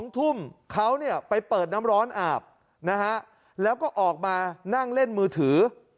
๒ทุ่มเขาเนี่ยไปเปิดน้ำร้อนอาบนะฮะแล้วก็ออกมานั่งเล่นมือถือ